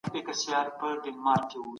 موږ باید ملي اقتصاد پیاوړی کړو.